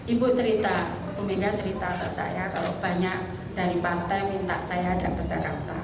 ibu cerita pemirsa cerita ke saya kalau banyak dari pantai minta saya ada ke jakarta